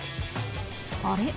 あれ？